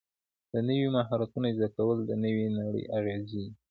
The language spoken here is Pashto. د نویو مهارتونو زده کول د نوې نړۍ اغېزې دي.